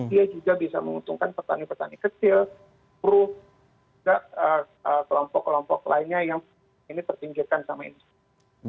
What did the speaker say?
dia juga bisa menguntungkan petani petani kecil burung dan kelompok kelompok lainnya yang ini tertinggikan sama industri sawit